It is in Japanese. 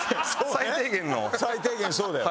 最低限そうだよ。